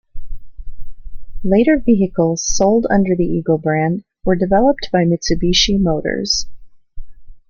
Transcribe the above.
Later vehicles sold under the Eagle brand were developed by Mitsubishi Motors.